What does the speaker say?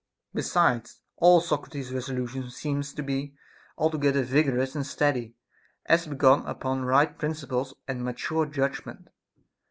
Besides all, Socrates's resolution seems to be altogether vigorous and steady, as begun upon right princi ples and mature judgment.